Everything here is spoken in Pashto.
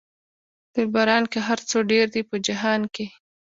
دلبران که هر څو ډېر دي په جهان کې.